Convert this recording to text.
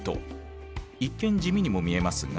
一見地味にも見えますが。